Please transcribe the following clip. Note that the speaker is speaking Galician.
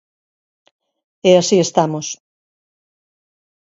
E así estamos.